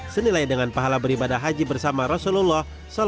senilai dengan pahala beribadah haji bersama rasulullah